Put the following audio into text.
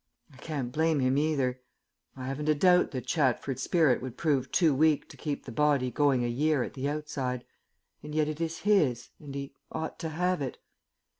I can't blame him either. I haven't a doubt that Chatford's spirit would prove too weak to keep the body going a year at the outside, and yet it is his, and he ought to have it.